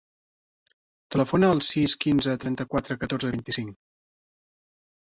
Telefona al sis, quinze, trenta-quatre, catorze, vint-i-cinc.